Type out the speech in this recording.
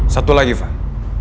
satu lagi van